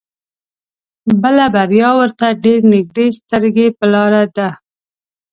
بله بريا ورته ډېر نيږدې سترګې په لار ده.